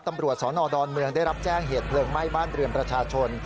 ตำรวจสนดอนเมืองได้รับแจ้งเหตุเพลิงไหม้บ้านเรือนประชาชน